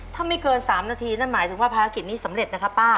ถ้าไม่เกิน๓นาทีนั่นหมายถึงว่าภารกิจนี้สำเร็จนะครับป้า